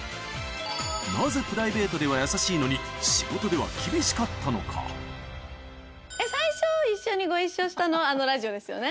なぜプライベートでは優しいのに、最初、一緒にご一緒したのはあのラジオですよね。